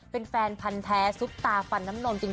เป็นแฟนพันธ์แท้ซุปตาฟันน้ำนมจริง